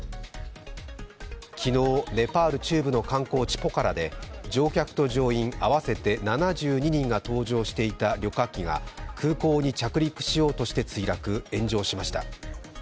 昨日、ネパール中部の観光地ポカラで乗客と乗員、合わせて７２人が搭乗していた旅客機が空港に着陸しようとして墜落・炎上しました。